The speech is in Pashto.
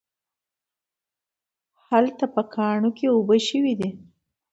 هلته په کاڼو کې اوبه شوي دي